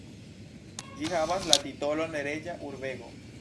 Ĝi havas la titolon reĝa urbego.